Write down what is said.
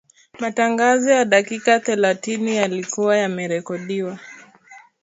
Matangazo ya dakika thelathini yalikuwa yamerekodiwa